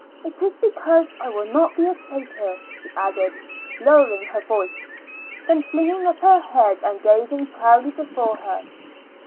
"It is because I will not be a traitor," she added, lowering her voice, then flinging up her head and gazing proudly before her.